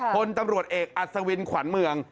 พลตำรวจเอกอัศวินขวัญเมือง